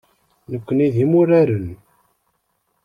Nekkni d imuraren.